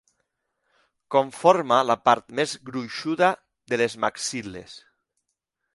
Conforma la part més gruixuda de les maxil·les.